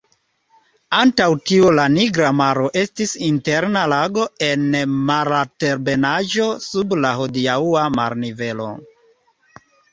Antaŭ tio la Nigra Maro estis interna lago en malaltebenaĵo, sub la hodiaŭa marnivelo.